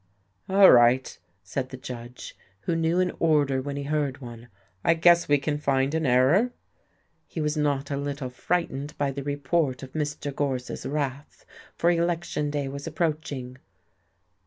"All right," said the judge, who knew an order when he heard one, "I guess we can find an error." He was not a little frightened by the report of Mr. Gorse's wrath, for election day was approaching.